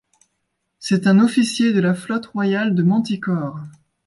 C'est un officier de la flotte royale de Manticore.